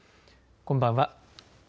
こんばんは。